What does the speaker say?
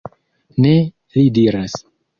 Ne, li diras.